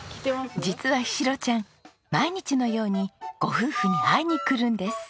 実はシロちゃん毎日のようにご夫婦に会いに来るんです。